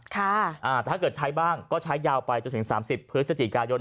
ถ้าเกิดใช้บ้างก็ใช้ยาวไปจนถึง๓๐พฤศจิกายน